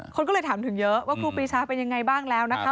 คนก็เลยถามถึงเยอะว่าครูปีชาเป็นยังไงบ้างแล้วนะคะ